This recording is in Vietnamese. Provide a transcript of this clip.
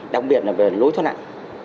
đặc biệt là về lối thoát nạn